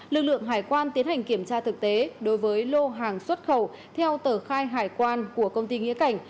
lực lượng hải quan tiến hành kiểm tra thực tế đối với lô hàng xuất khẩu theo tờ khai hải quan của công ty nghĩa cảnh